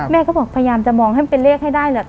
แม่ก็บอกพยายามจะมองให้มันเป็นเลขให้ได้แหละ